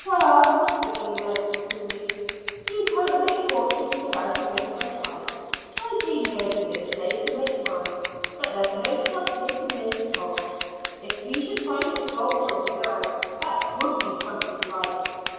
"Some," said the American coolly. "You can't make fortunes without a bit of a fight. I came here to this place to make mine, but there's no stuff here to make it of. If we should find the gold hills now, that would be something like.